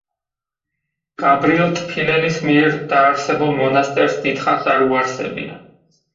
გაბრიელ ტფილელის მიერ დაარსებულ მონასტერს დიდხანს არ უარსებია.